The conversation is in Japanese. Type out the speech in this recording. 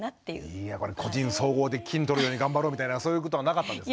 いやこれ個人総合で金取るように頑張ろうみたいなそういうことはなかったんですね？